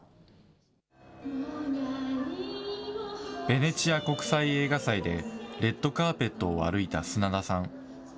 ベネチア国際映画祭でレッドカーペットを歩いた砂田さん。